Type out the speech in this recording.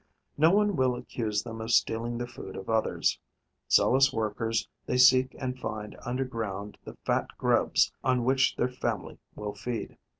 No one will accuse them of stealing the food of others. Zealous workers, they seek and find under ground the fat grubs on which their family will feed.